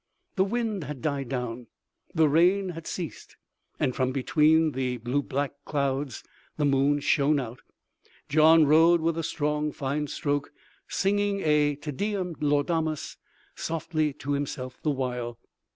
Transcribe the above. The wind had died down, the rain had ceased, and from between the blue black clouds the moon shone out. Gian rowed with a strong, fine stroke, singing a "Te Deum Laudamus" softly to himself the while.